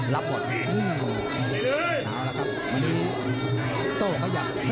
หลักบอบอบอีนี่โอ้โหเคธร๒๑